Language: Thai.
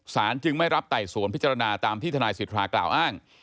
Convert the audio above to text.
จึงไม่รับไต่สวนพิจารณาตามที่ทนายสิทธากล่าวอ้าง